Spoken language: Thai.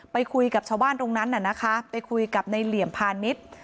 ไปคุยกับชาวบ้านตรงนั้นน่ะนะคะไปคุยกับในเหลี่ยมพาณิชย์